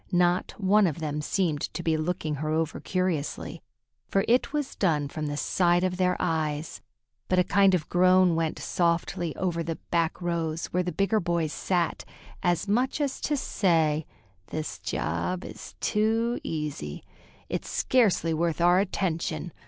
Not one of them seemed to be looking her over curiously, for it was done from the side of their eyes; but a kind of groan went softly over the back rows, where the bigger boys sat, as much as to say, "This job is too easy. It's scarcely worth our attention.